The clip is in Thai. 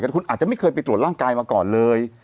แต่คุณอาจจะไม่เคยไปตรวจร่างกายมาก่อนเลย